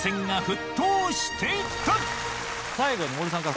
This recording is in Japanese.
最後に森さんから。